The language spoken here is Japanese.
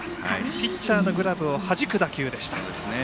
ピッチャーのグラブをはじく打球でした。